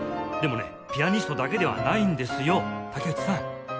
でもねピアニストだけではないんですよ武内さん！